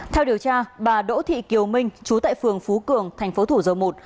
theo điều tra bà đỗ thị kiều minh chú tại phường phú cường tp thủ dầu một